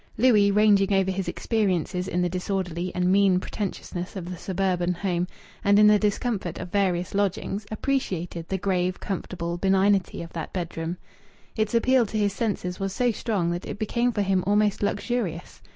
Louis, ranging over his experiences in the disorderly and mean pretentiousness of the suburban home, and in the discomfort of various lodgings, appreciated the grave, comfortable benignity of that bedroom. Its appeal to his senses was so strong that it became for him almost luxurious.